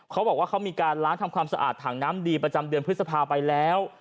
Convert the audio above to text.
เขาบอกว่าเขามีการล้างทำความสะอาดถังน้ำดีประจำเดือนพฤษภาไปแล้ว